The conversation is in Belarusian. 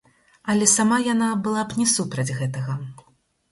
Але сама яна была б не супраць гэтага.